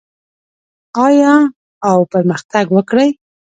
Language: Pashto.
آیا او پرمختګ وکړي؟